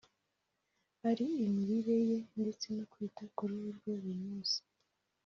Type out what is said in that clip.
ari imirire ye ndetse no kwita ku ruhu rwe buri munsi